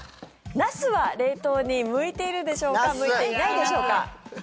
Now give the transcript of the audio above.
ナスは冷凍に向いているでしょうか向いていないでしょうか。